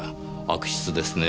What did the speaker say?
悪質ですねえ。